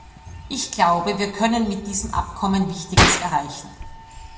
Ich glaube, wir können mit diesem Abkommen Wichtiges erreichen.